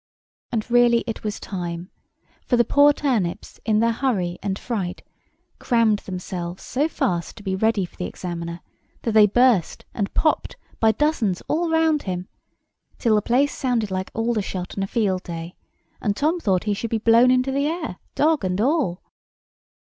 And really it was time; for the poor turnips, in their hurry and fright, crammed themselves so fast to be ready for the Examiner, that they burst and popped by dozens all round him, till the place sounded like Aldershot on a field day, and Tom thought he should be blown into the air, dog and all.